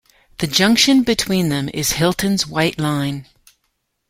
The junction between them is Hilton's white line.